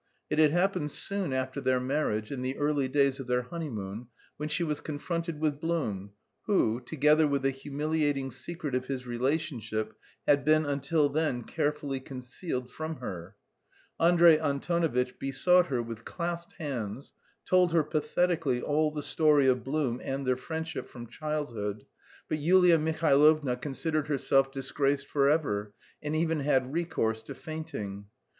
It had happened soon after their marriage, in the early days of their honeymoon, when she was confronted with Blum, who, together with the humiliating secret of his relationship, had been until then carefully concealed from her. Andrey Antonovitch besought her with clasped hands, told her pathetically all the story of Blum and their friendship from childhood, but Yulia Mihailovna considered herself disgraced forever, and even had recourse to fainting.